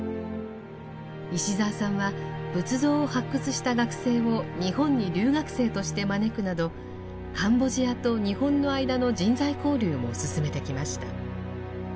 石澤さんは仏像を発掘した学生を日本に留学生として招くなどカンボジアと日本の間の人材交流も進めてきました。